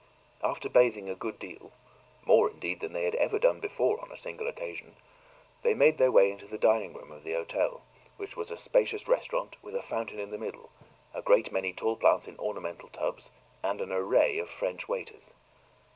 After bathing a good deal more, indeed, than they had ever done before on a single occasion they made their way into the dining room of the hotel, which was a spacious restaurant, with a fountain in the middle, a great many tall plants in ornamental tubs, and an array of French waiters.